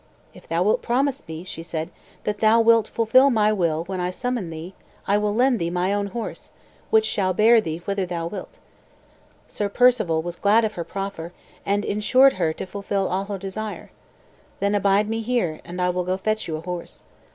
"If thou wilt promise me," said she, "that thou wilt fulfil my will when I summon thee, I will lend thee my own horse, which shall bear thee whither thou wilt." Sir Perceval was glad of her proffer, and insured her to fulfil all her desire. "Then abide me here, and I will go fetch you a horse."